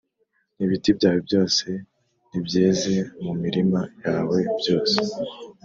Ibiti byawe byose n’ibyeze mu mirima yawe byose